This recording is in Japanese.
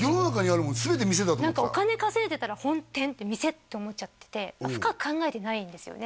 お金稼いでたら本店って店って思っちゃってて深く考えてないんですよね